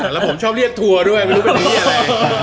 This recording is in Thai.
แล้วผมชอบเรียกทัวร์ด้วยไม่รู้เป็นหนี้อะไร